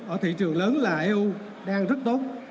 ở thị trường lớn là eu đang rất tốt